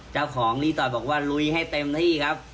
เจ้าของรีตอยบอกว่าลุยให้เต็มที่ครับ